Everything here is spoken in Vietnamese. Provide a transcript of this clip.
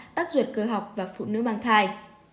tác dụng cơ học và phụ nữ mang thai